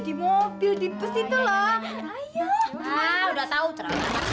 lu nyanyi pendor